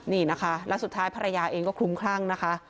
นี่นะคะแล้วสุดท้ายภรรยาเองก็คลุ้มคลั่งนะคะ